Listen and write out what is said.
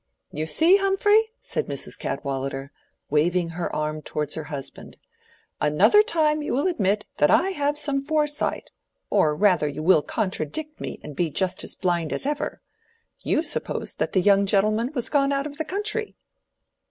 "You see, Humphrey!" said Mrs. Cadwallader, waving her arm towards her husband. "Another time you will admit that I have some foresight; or rather you will contradict me and be just as blind as ever. You supposed that the young gentleman was gone out of the country."